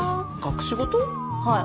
はい。